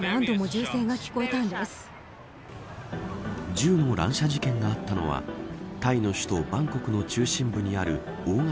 銃の乱射事件があったのはタイの首都バンコクの中心部にある大型